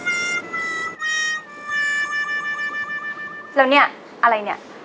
แล้วนี่ะอะไรนี่